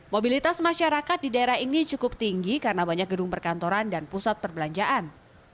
mobilitas masyarakat di daerah ini cukup tinggi karena banyak gedung perkantoran dan pusat perbelanjaan